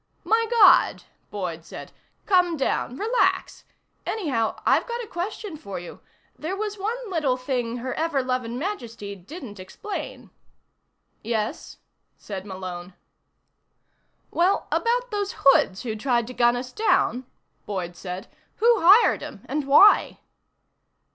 "My God," Boyd said. "Come down. Relax. Anyhow, I've got a question for you. There was one little thing Her Everlovin' Majesty didn't explain." "Yes?" said Malone. "Well, about those hoods who tried to gun us down," Boyd said. "Who hired 'em? And why?"